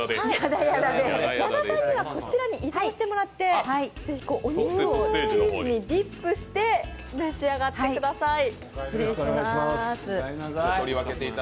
矢田さんにはこちらに移動してもらってぜひお肉をチーズにディップして召し上がってください。